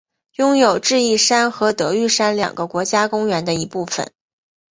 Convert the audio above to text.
拥有智异山和德裕山两个国家公园的一部份。